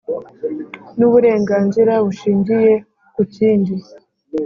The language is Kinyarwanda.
N uburenganzira bushingiye ku kindi